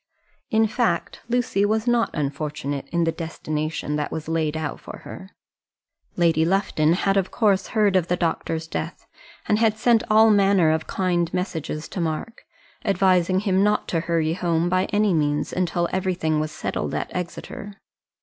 In fact, Lucy was not unfortunate in the destination that was laid out for her. Lady Lufton had of course heard of the doctor's death, and had sent all manner of kind messages to Mark, advising him not to hurry home by any means until everything was settled at Exeter.